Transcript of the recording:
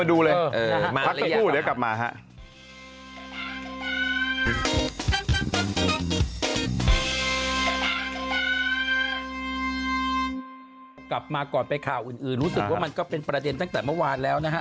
รู้สึกว่ามันก็เป็นประเด็นตั้งแต่เมื่อวานแล้วนะฮะ